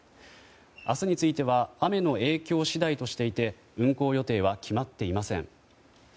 明日については雨の影響次第としていて運行予定は決まっていません。